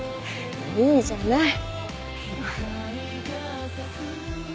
いいじゃない。